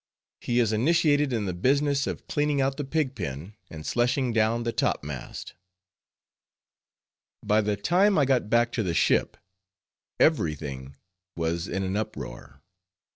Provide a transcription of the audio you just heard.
HE IS INITIATED IN THE BUSINESS OF CLEANING OUT THE PIG PEN, AND SLUSHING DOWN THE TOP MAST By the time I got back to the ship, every thing was in an uproar.